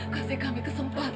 kasih kami kesempatan bu